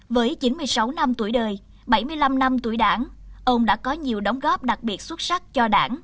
với chín mươi sáu năm tuổi đời bảy mươi năm năm tuổi đảng ông đã có nhiều đóng góp đặc biệt xuất sắc cho đảng